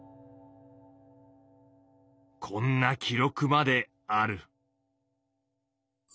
こんな記録まである。